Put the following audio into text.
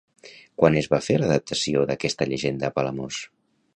Quan es va fer l'adaptació d'aquesta llegenda a Palamós?